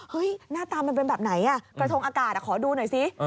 หน้าตามันเป็นแบบไหนกระทงอากาศขอดูหน่อยซิ